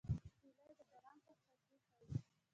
هیلۍ د باران په وخت خوښي ښيي